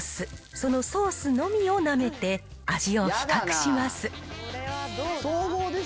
そのソースのみをなめて、味を比較します。